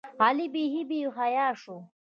علي بیخي بېحیا شوی.